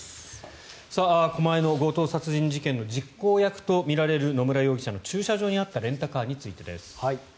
狛江の強盗殺人事件の実行役とみられる野村容疑者の駐車場にあったレンタカーについてです。